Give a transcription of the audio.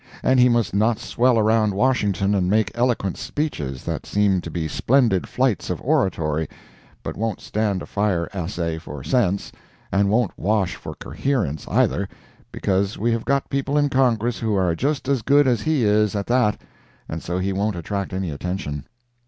And he must not swell around Washington and make eloquent speeches that seem to be splendid flights of oratory, but won't stand a fire assay for sense, and won't wash for coherence, either, because we have got people in Congress who are just as good as he is at that, and so he won't attract any attention.